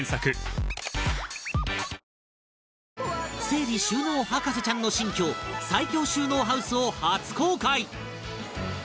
整理収納博士ちゃんの新居最強収納ハウスを初公開！